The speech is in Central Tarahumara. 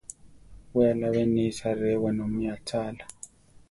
We alábe nisa re wenómi achála.